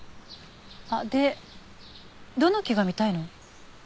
でどの木が見たいの？